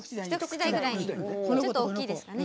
ちょっと大きいですかね。